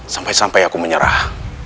sampai sampai aku menyerah